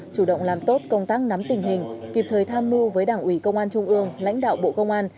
chủ động làm tốt công tác nắm tình hình kịp thời tham mưu với đảng ủy công an trung ương lãnh đạo bộ công an